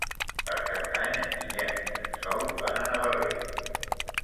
Per Cap d'Any en Guillem i en Sol van a Navarrés.